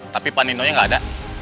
tapi pak nino nya gak ada